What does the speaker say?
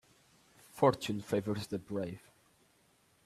Fortune favours the brave.